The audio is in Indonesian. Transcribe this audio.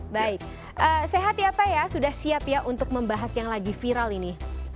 baik sehat ya pak ya sudah siap ya untuk membahas yang lagi viral ini